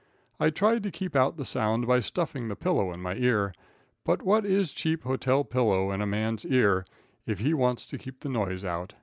I tried to keep out the sound by stuffing the pillow in my ear, but what is a cheap hotel pillow in a man's ear, if he wants to keep the noise out.